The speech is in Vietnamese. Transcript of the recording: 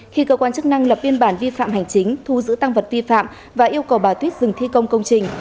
khi cơ quan chức năng lập biên bản vi phạm hành chính thu giữ tăng vật vi phạm và yêu cầu bà tuyết dừng thi công công trình